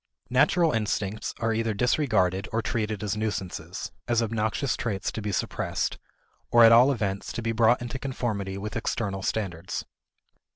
Natural instincts are either disregarded or treated as nuisances as obnoxious traits to be suppressed, or at all events to be brought into conformity with external standards.